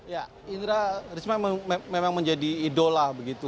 ya indra risma memang menjadi idola begitu